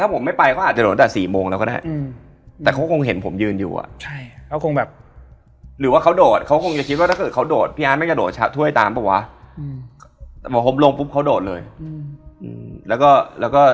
เพราะบางคนบอกอย่างนี้อาจจะไม่น่ากลัว